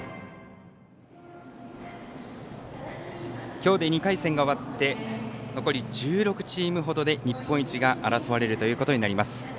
今日で２回戦が終わって残り１６チームほどで日本一が争われるということになります。